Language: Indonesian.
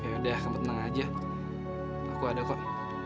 ya kamu tenang aja aku ada kok